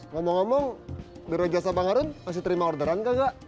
ngomong ngomong biar aja asal bang harun masih terima orderan enggak enggak